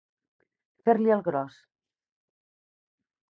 Fer-li el gros.